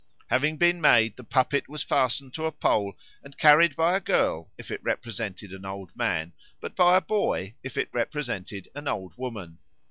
Having been made, the puppet was fastened to a pole and carried by a girl if it represented an old man, but by a boy if it represented an old woman.